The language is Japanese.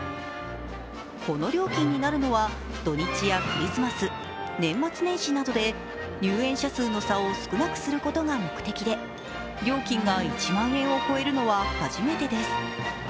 この料金になるのは土日やクリスマス、年末年始などで入園者数の差を少なくすることが目的で料金が１万円を超えるのは初めてです。